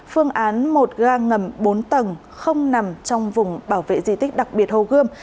phương án một ga ngầm bốn tầng không nằm trong vùng bảo vệ di tích đặc biệt hồ gươm